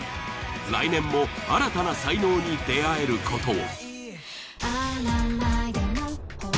来年も新たな才能に出会えることを。